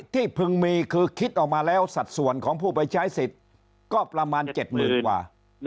พึงมีคือคิดออกมาแล้วสัดส่วนของผู้ไปใช้สิทธิ์ก็ประมาณ๗๐๐๐กว่า